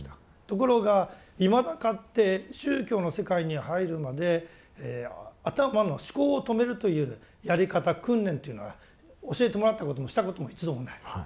ところがいまだかつて宗教の世界に入るまで頭の思考を止めるというやり方訓練というのは教えてもらったこともしたことも一度もない。